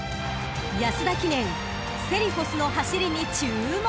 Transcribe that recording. ［安田記念セリフォスの走りに注目］